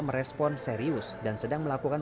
merespon serius dan sedang melakukan